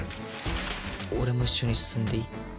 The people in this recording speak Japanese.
俺も一緒に進んでいい？